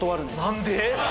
何で？